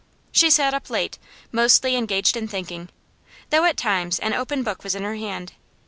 She sat up late, mostly engaged in thinking, though at times an open book was in her hand.